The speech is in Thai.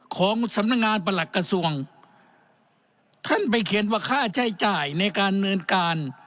ของสำนักงานประหลักกระทรวงท่านไปเขียนว่าค่าใช้จ่ายในการเนินการ